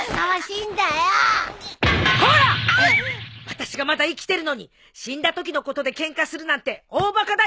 私がまだ生きてるのに死んだときのことでケンカするなんて大バカだよ！